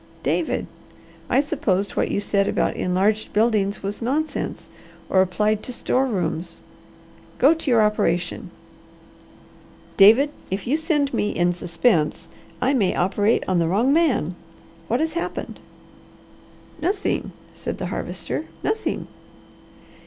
"David! I supposed what you said about enlarged buildings was nonsense or applied to store rooms." "Go to your operation!" "David, if you send me in suspense, I may operate on the wrong man. What has happened?" "Nothing!" said the Harvester. "Nothing!"